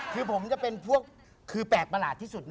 คือผมจะเป็นพวกคือแปลกประหลาดที่สุด